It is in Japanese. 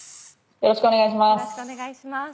よろしくお願いします。